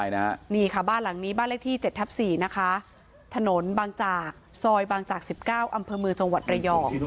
นี่ค่ะบ้านหลังนี้บ้านเลขที่๗ทับ๔นะคะถนนบางจากซอยบางจาก๑๙อมจระยอง